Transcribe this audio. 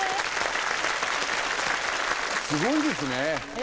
すごいですね。